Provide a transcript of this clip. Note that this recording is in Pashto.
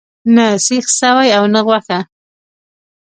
نه سیخ سوی او نه غوښه.